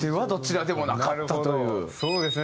そうですね。